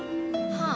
はあ？